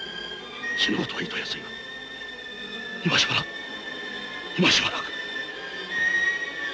死ぬことはいとやすいが今しばらく今しばらく。